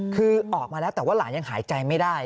คือออกมาแล้วแต่ว่าหลานยังหายใจไม่ได้